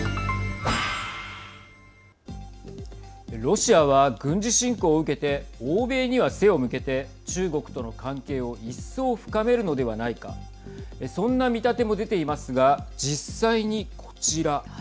ロシアは軍事侵攻を受けて欧米には背を向けて中国との関係を一層深めるのではないかそんな見立ても出ていますが実際に、こちら。